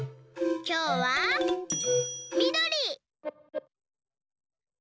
きょうはみどり！